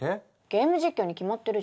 ゲーム実況に決まってるじゃん！